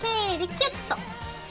キュッと。